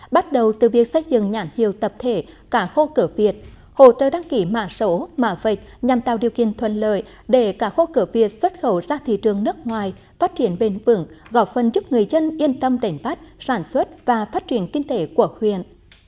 bắt đầu từ việc xây dựng nhãn hiệu tập thể cả khu cửa việt hỗ trợ đăng ký mạng sổ mạng vệch nhằm tạo điều kiện thuận lợi để cả khu cửa việt xuất khẩu ra thị trường nước ngoài phát triển bền vững gọt phân giúp người dân yên tâm đẩy bắt sản xuất và phát triển kinh tế của huyện